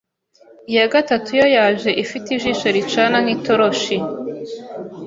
iya gatatu yo yaje ifite ijisho ricana nk’itoroshi,